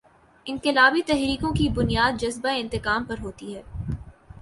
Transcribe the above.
انقلابی تحریکوں کی بنیاد جذبۂ انتقام پر ہوتی ہے۔